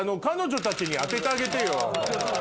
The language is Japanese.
彼女たちに当ててあげてよ。